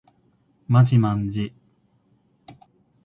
まじまんじ